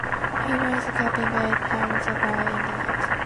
He was capped eight times by England.